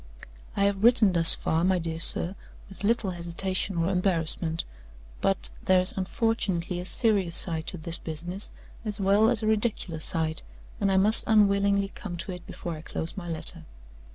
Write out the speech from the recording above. "I have written thus far, my dear sir, with little hesitation or embarrassment. But there is unfortunately a serious side to this business as well as a ridiculous side; and I must unwillingly come to it before I close my letter.